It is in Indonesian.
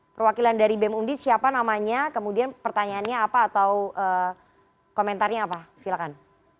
perwakilan dari bem undi siapa namanya kemudian pertanyaannya apa atau komentarnya apa silakan